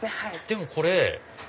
でもこれ。